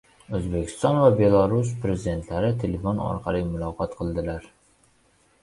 O‘zbekiston va Belarus Prezidentlari telefon orqali muloqot qildilar